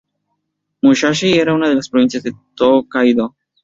Musashi era una de las provincias de Tōkaidō.